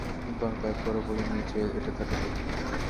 কিন্তু আমি তো একবারও বলি নি যে এটা তাকে দিবো।